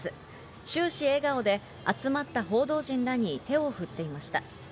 終始笑顔で集まった報道陣らに手を振っていました。